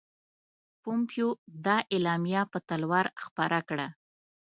پومپیو دا اعلامیه په تلوار خپره کړه.